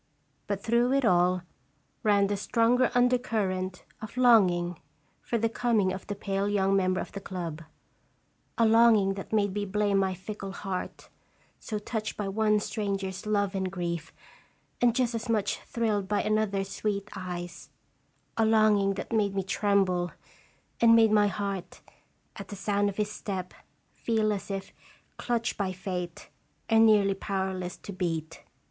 But through it all ran the stronger under current of longing for the coming of the pale young member of the club a longing that made me blame my fickle heart, so touched by one stranger's love and grief, and just as much thrilled by another's sweet eyes; a longing that made me tremble, and made my heart, at the sound of his step, feel as if clutched by Fate, and nearly powerless to beat.